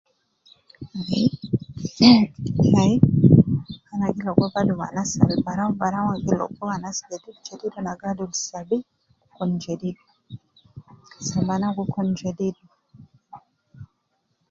Le ,that tai, ana gi logo badu me anas al barau barau, an gi logo badu me anas jedid jedid ,ana gi adul sabi kun jedid, sabiana gi kun jedid